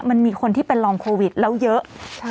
มันมีคนที่เป็นรองโควิดแล้วเยอะ